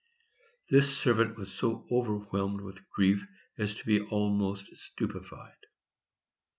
This servant was so overwhelmed with grief as to be almost stupefied.